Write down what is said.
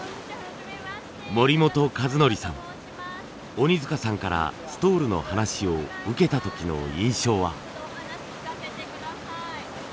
鬼塚さんからストールの話を受けた時の印象は。